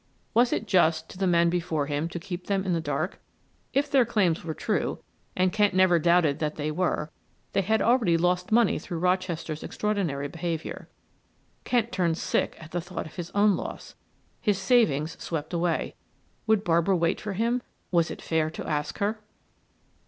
Was it just to the men before him to keep them in the dark? If their claims were true, and Kent never doubted that they were, they had already lost money through Rochester's extraordinary behavior. Kent turned sick at the thought of his own loss his savings swept away. Would Barbara wait for him was it fair to ask her?